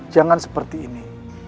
jangan seperti ini